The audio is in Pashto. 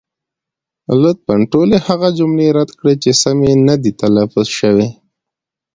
لطفا ټولې هغه جملې رد کړئ، چې سمې نه دي تلفظ شوې.